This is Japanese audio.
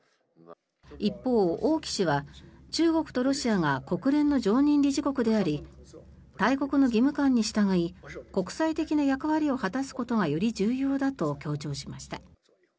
一方、王毅氏は中国とロシアが国連の常任理事国であり大国の義務感に従い国際的な役割を果たすことがより重要だと強調しました。